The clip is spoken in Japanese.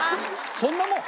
そんなもん。